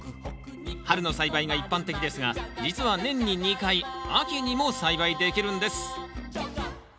春の栽培が一般的ですが実は年に２回秋にも栽培できるんです